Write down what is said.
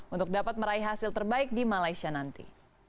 untuk dapat meraih hasil terbaik di malaysia nanti